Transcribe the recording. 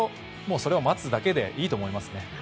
それを待つだけでいいですね。